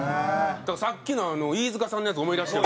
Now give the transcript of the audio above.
だからさっきの飯塚さんのやつ思い出して。